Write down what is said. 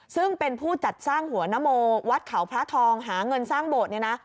ซึ่งเป็นผู้จัดสร้างหัวนโมวัดเขาพระทองหาเงินสร้างโบสถ์เนี่ยนะ